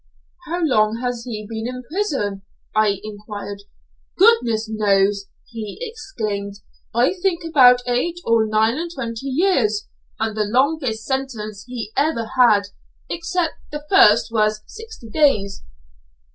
"How long has he been in prison?" I enquired. "Goodness knows!" he exclaimed; "I think about eight or nine and twenty years, and the longest sentence he ever had, except the first, was sixty days!"